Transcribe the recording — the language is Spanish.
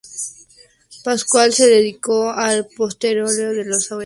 Pascual se dedicó al pastoreo de las ovejas.